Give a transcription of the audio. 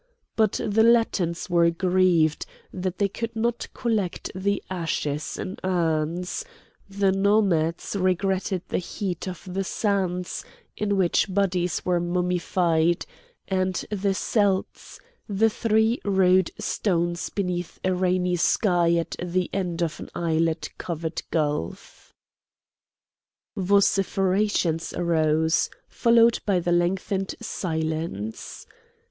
But the Latins were grieved that they could not collect the ashes in urns; the Nomads regretted the heat of the sands in which bodies were mummified, and the Celts, the three rude stones beneath a rainy sky at the end of an islet covered gulf. Vociferations arose, followed by the lengthened silence.